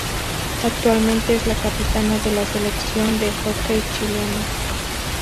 Actualmente es la capitana de la Selección de Hockey Chilena.